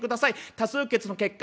多数決の結果